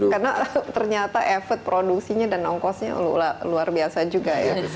karena ternyata efek produksinya dan ongkosnya luar biasa juga ya